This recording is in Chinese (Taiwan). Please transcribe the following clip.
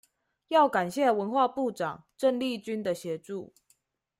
要感謝文化部長鄭麗君的協助